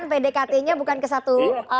pdkt nya bukan ke satu